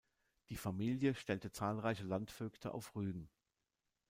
Die Familie stellte zahlreiche Landvögte auf Rügen.